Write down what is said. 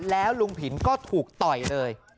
แล้วลุงผินก็ถูกต่อยเลย